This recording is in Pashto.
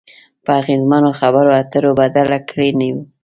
په اغیزمنو خبرو اترو بدله کړئ نو